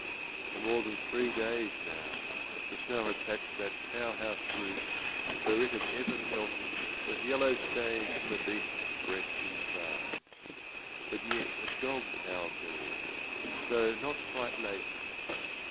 For more than three days now the snow had thatched That cow house roof where it had ever melted With yellow stains from the beasts' breath inside; But yet a dog howled there, though not quite lately.